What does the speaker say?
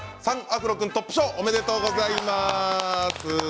３アフロ君トップ賞おめでとうございます。